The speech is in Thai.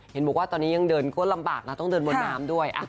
เห็นบอกว่าตอนนี้ยังเดินโค้นลำบากนะต้องเดินบนน้ำด้วย